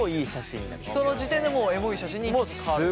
その時点でもうエモい写真に変わると。